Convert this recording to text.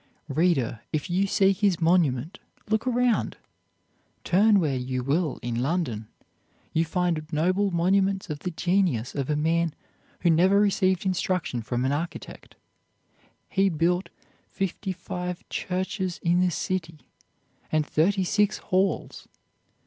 Reader, if you seek his monument, look around!" Turn where you will in London, you find noble monuments of the genius of a man who never received instruction from an architect. He built fifty five churches in the city and thirty six halls.